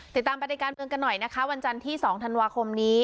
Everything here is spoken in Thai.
ติดตามปฏิการเมืองกันหน่อยนะคะวันจันทร์ที่๒ธันวาคมนี้